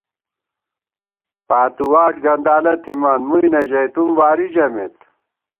پاتُو واٹ گندالہ تھِمان ، مُوئی نہ ژَئیتُم وارِی ژَمېت